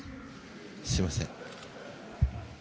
すみません。